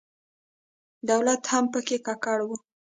دولت هم په کې ککړ و.